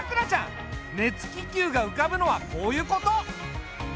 熱気球が浮かぶのはこういうこと。